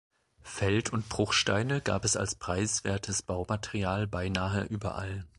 Feld- und Bruchsteine gab es als preiswertes Baumaterial beinahe überall.